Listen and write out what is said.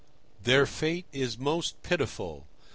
Their fate is most pitiful.